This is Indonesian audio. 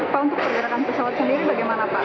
pak untuk pergerakan pesawat sendiri bagaimana pak